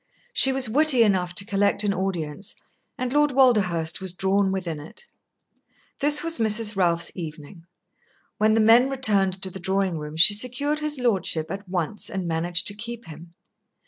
She was witty enough to collect an audience, and Lord Walderhurst was drawn within it. This was Mrs. Ralph's evening. When the men returned to the drawing room, she secured his lordship at once and managed to keep him.